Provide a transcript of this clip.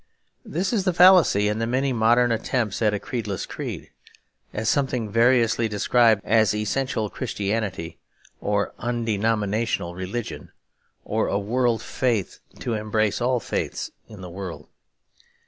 This is the fallacy in the many modern attempts at a creedless creed, at something variously described as essential Christianity or undenominational religion or a world faith to embrace all the faiths in the world.